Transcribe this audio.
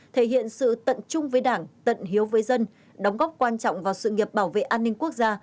thể hiện sự tận chung với đảng tận hiếu với dân đóng góp quan trọng vào sự nghiệp bảo vệ an ninh quốc gia